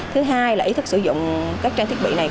thứ hai là ý thức sử dụng các trang thiết bị này